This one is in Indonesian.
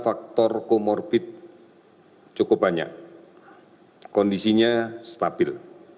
faktor komorbit cukup banyak kondisinya stabil